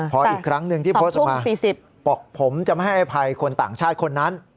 พออีกครั้งหนึ่งที่โพสต์ออกมาบอกผมจะไม่ให้อภัยคนต่างชาติคนนั้น